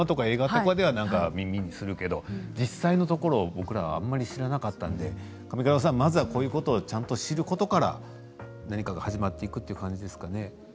映画では耳にするけれど実際のところ僕らはあまり知らなかったので上鹿渡さん、まずはこういうことをちゃんと知ることから何かが始まっていくという感じですかね。